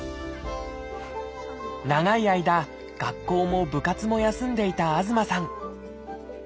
長い間学校も部活も休んでいた東さん。